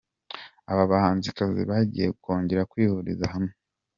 Aba bahanzikazi bagiye kongera kwihuriza hamwe.